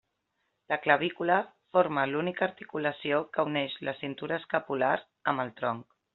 La clavícula forma l'única articulació que uneix la cintura escapular amb el tronc.